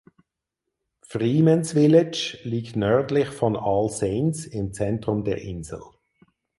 Freemans Village liegt nördlich von All Saints im Zentrum der Insel.